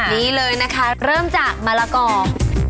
นี่เลยนะคะเริ่มจากมะละกอ